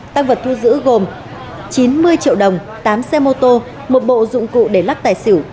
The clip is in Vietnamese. tăng vật thu giữ gồm chín mươi triệu đồng tám xe mô tô một bộ dụng cụ để lắc tài xỉu